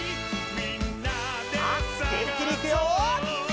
「みんなでさがそう！」さあげんきにいくよ！